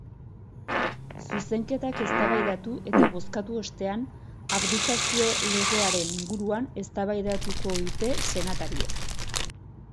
Zuzenketak eztabaidatu eta bozkatu ostean, abdikazio legearen inguruan eztabaidatuko dute senatariek.